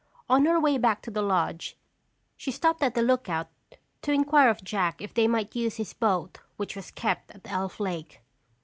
On her way back to the lodge she stopped at the lookout to inquire of Jack if they might use his boat which was kept at Elf Lake.